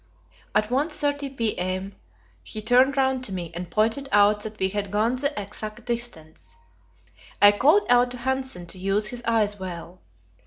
At 1.30 p.m. he turned round to me, and pointed out that we had gone the exact distance; I called out to Hanssen to use his eyes well.